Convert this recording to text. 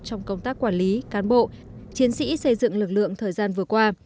trong công tác quản lý cán bộ chiến sĩ xây dựng lực lượng thời gian vừa qua